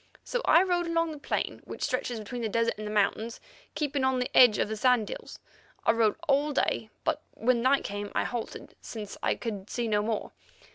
So I rode along the plain which stretches between the desert and the mountains, keeping on the edge of the sand hills. I rode all day, but when night came I halted, since I could see no more.